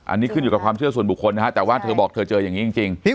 อันนี้ขึ้นอยู่กับความเชื่อส่วนบุคคลนะฮะแต่ว่าเธอบอกเธอเจออย่างนี้จริง